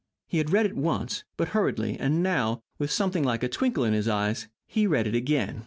He had read it once, but hurriedly, and now, with something like a twinkle in his eyes, he read it again.